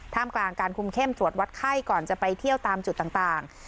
กลางการคุมเข้มตรวจวัดไข้ก่อนจะไปเที่ยวตามจุดต่าง